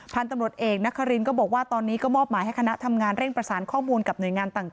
พันธุ์ตำรวจเอกนครินก็บอกว่าตอนนี้ก็มอบหมายให้คณะทำงานเร่งประสานข้อมูลกับหน่วยงานต่าง